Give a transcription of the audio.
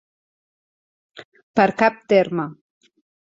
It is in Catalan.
Per cap terme.